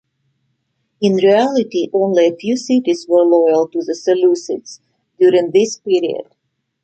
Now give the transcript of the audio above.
In reality, only a few cities were loyal to the Seleucids during this period.